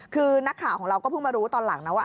คือนักข่าวของเราก็เพิ่งมารู้ตอนหลังนะว่า